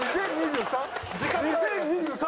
２０２３？